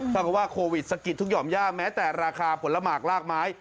เท่ากับว่าโควิดสะกิดทุกห่อมยากแม้แต่ราคาผลมากลากไม้